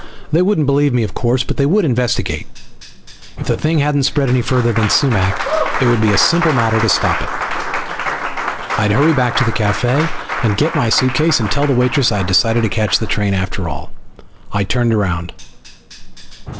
They wouldn't believe me, of course, but they would investigate. If the thing hadn't spread any farther than Sumac it would be a simple matter to stop it. I'd hurry back to the cafe and get my suitcase and tell the waitress I'd decided to catch the train after all. I turned around.